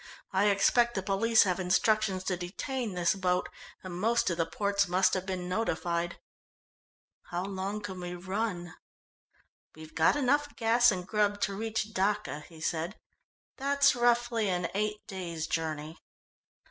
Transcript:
I expect the police have instructions to detain this boat, and most of the ports must have been notified." "How long can we run?" "We've got enough gas and grub to reach Dacca," he said. "That's roughly an eight days' journey."